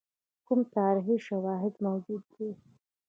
کوم تاریخي شواهد موجود دي.